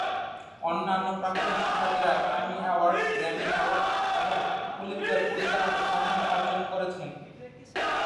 অন্যান্য প্রাক্তন শিক্ষার্থীরা এমি অ্যাওয়ার্ড, গ্র্যামি অ্যাওয়ার্ড এবং পুলিৎজার পুরস্কারের মতো সম্মান অর্জন করেছেন।